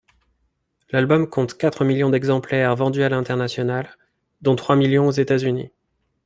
L'album compte quatre millions d'exemplaires vendus à l'international, dont trois millions aux États-Unis.